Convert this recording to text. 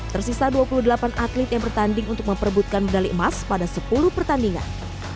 tersisa dua puluh delapan atlet yang bertanding untuk memperbutkan medali emas pada sepuluh pertandingan